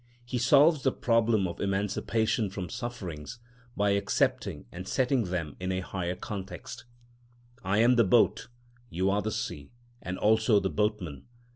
He solves the problem of emancipation from sufferings by accepting and setting them in a higher context: I am the boat, you are the sea, and also the boatman.